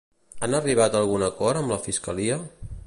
Han arribat a algun acord amb la fiscalia?